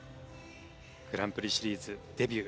グランプリシリーズデビュー。